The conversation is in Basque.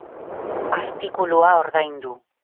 Artikulua ordaindu.